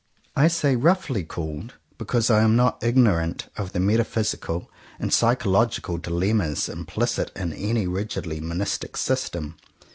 I say "roughly" called, because I am not ignorant of the metaphysi cal and psychological dilemmas implicit in any rigidly monistic system.